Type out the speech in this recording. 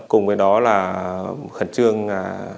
cùng với đó là khẩn trương